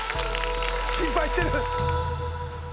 心配してる。